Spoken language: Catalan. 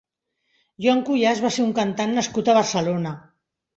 Joan Cuyàs va ser un cantant nascut a Barcelona.